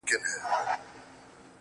او که يې اخلې نو آدم اوحوا ولي دوه وه.